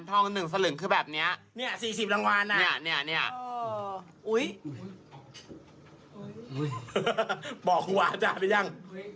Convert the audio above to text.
บอกครูบาอาจารย์หรือยัง